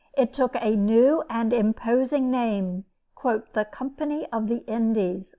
It took a new and imposing name: "The Company of the Indies."